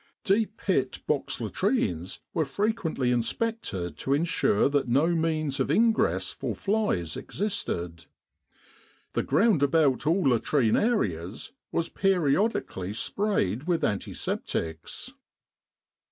Deep pit box latrines were frequently inspected to ensure that no means of ingress for flies existed. The ground about all latrine areas was periodically sprayed with antiseptics.